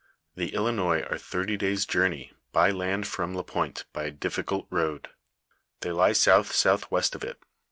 " The Ilinois are thirty days' journey by land from Lapointe by a difficult road ; they lie south southwest of it.